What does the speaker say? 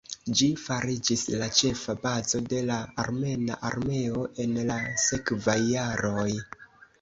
Ĝi fariĝis la ĉefa bazo de la armena armeo en la sekvaj jaroj.